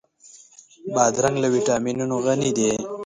بادرنګ له ويټامینونو غني دی.